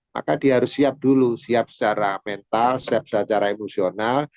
maka dia harus siap dulu siap secara mental siap secara emosional